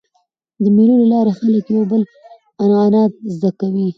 د مېلو له لاري خلک د یو بل عنعنات زده کوي.